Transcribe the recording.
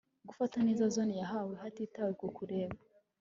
gufata neza zone yahawe hatitawe ku kureba